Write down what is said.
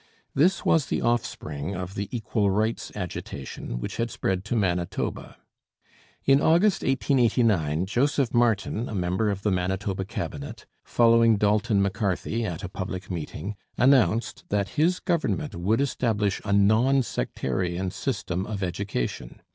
This was the offspring of the Equal Rights agitation, which had spread to Manitoba. In August 1889 Joseph Martin, a member of the Manitoba Cabinet, following D'Alton M'Carthy at a public meeting, announced that his government would establish a non sectarian system of education.